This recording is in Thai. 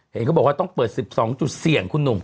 เห็นเขาบอกว่าต้องเปิด๑๒จุดเสี่ยงคุณหนุ่ม